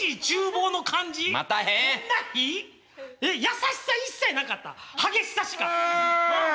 優しさ一切なかった激しさしか。